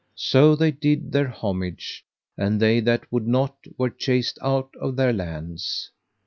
So they did their homage, and they that would not were chased out of their lands.